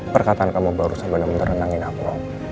perkataan kamu baru sampai menerentangin aku